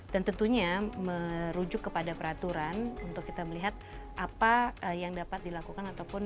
dan tentunya merujuk kepada peraturan untuk kita melihat apa yang dapat dilakukan ataupun